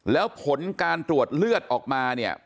แล้วผลการตรวจเลือดออกมา